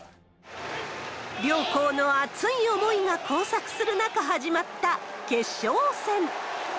両校の熱い思いが交錯する中、始まった決勝戦。